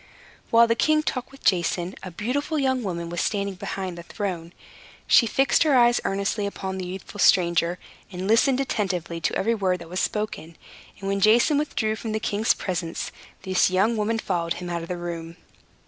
While the king talked with Jason, a beautiful young woman was standing behind the throne. She fixed her eyes earnestly upon the youthful stranger, and listened attentively to every word that was spoken; and when Jason withdrew from the king's presence, this young woman followed him out of the room.